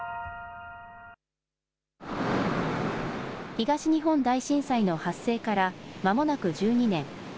東日本大震災の発生からまもなく１２年。